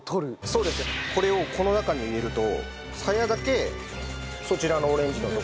そうですねこれをこの中に入れるとさやだけそちらのオレンジの所に。